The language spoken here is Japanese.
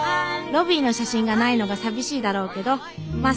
「ロビーの写真がないのが寂しいだろうけどまあ